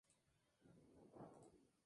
vosotros no habéis partido